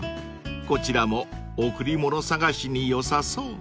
［こちらも贈り物探しによさそう］